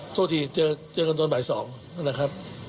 โทษทีเจอกันตอนบ่าย๒นะครับ